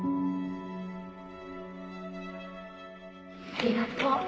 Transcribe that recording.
ありがとう。